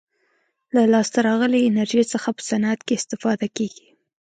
له لاسته راغلې انرژي څخه په صنعت کې استفاده کیږي.